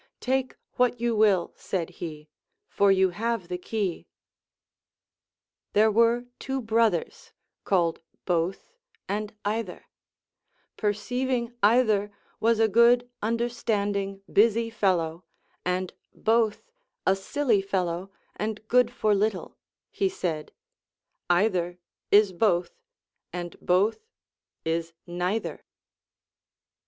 Take what you will, said he, for you have the key.* There were two brothers called Both and Either ; perceiving Either was a good understanding busy fellow and Both a silly fellow and good for little, he said : Either is Both, and Both is Neither.